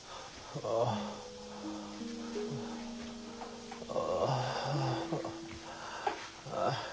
あああ。